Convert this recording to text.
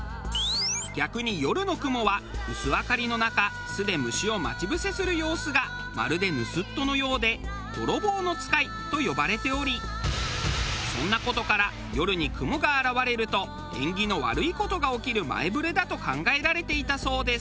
逆に夜のクモは薄明かりの中巣で虫を待ち伏せする様子がまるで盗っ人のようで泥棒の使いと呼ばれておりそんな事から夜にクモが現れると縁起の悪い事が起きる前触れだと考えられていたそうです。